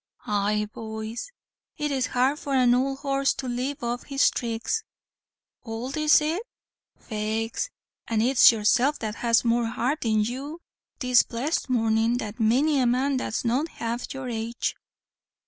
"Aye, boys. It's hard for an owld horse to leave off his thricks." "Owld is it? faix and it's yourself that has more heart in you this blessed mornin' than many a man that's not half your age."